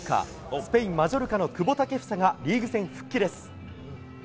スペイン、マジョルカの久保建英がリーグ戦復帰です。